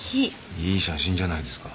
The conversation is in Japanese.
いい写真じゃないですか。